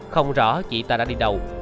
không rõ chị ta đã đi đâu